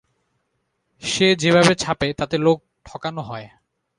সে যেভাবে ছাপে তাতে লোক ঠকান হয়।